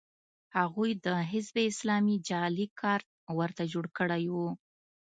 هغوی د حزب اسلامي جعلي کارت ورته جوړ کړی و